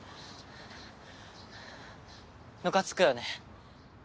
ムカつくよね。